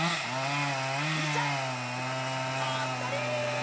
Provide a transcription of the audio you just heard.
きしゃ！あったり！